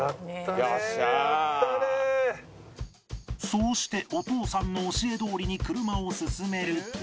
そうしてお父さんの教えどおりに車を進めると